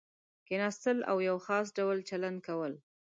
کېناستل او یو خاص ډول چلند کول.